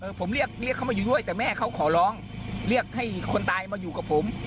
ผมเรียกเรียกเขามาอยู่ด้วยแต่แม่เขาขอร้องเรียกให้คนตายมาอยู่กับผม